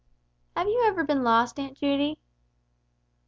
"Have you ever been lost, Aunt Judy?"